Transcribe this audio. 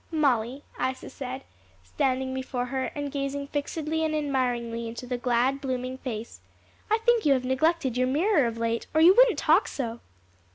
"Molly," Isa said, standing before her and gazing fixedly and admiringly into the glad, blooming face, "I think you have neglected your mirror of late or you wouldn't talk so."